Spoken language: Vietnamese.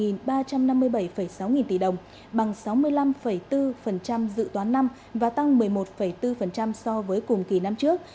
lũy kế một mươi tháng năm hai nghìn hai mươi ba ước đạt một ba trăm năm mươi bảy sáu nghìn tỷ đồng bằng sáu mươi năm bốn dự toán năm và tăng một mươi một bốn so với cùng kỳ năm trước